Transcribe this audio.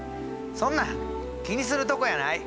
そんなん気にするとこやない。